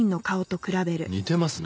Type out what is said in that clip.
似てますね。